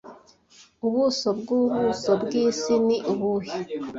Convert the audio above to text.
Ubuso bwubuso bwisi ni ubuhe